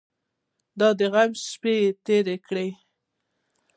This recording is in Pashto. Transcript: د غم شپې یې تېرې کړې.